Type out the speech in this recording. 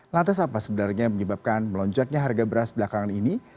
lantas apa sebenarnya yang menyebabkan melonjaknya harga beras belakangan ini